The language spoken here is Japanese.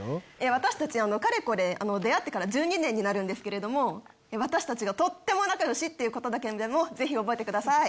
私たちかれこれ出会ってから１２年になるんですけれども私たちがとっても仲良しってことだけでも覚えてください。